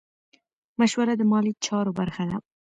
مشوره د مالي چارو برخه ده.